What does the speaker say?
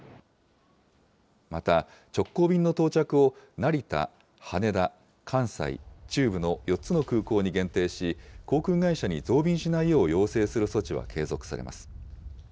また、直行便の到着を成田、羽田、関西、中部の４つの空港に限定し、航空会社に増便しないよう要請する措置は継続されます。